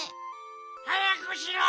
はやくしろ！